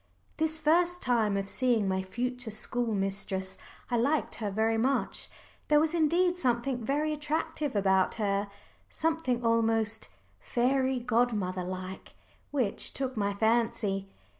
This first time of seeing my future school mistress I liked her very much. There was indeed something very attractive about her something almost "fairy godmother like" which took my fancy.